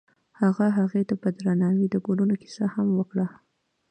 هغه هغې ته په درناوي د ګلونه کیسه هم وکړه.